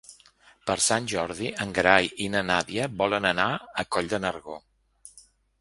Per Sant Jordi en Gerai i na Nàdia volen anar a Coll de Nargó.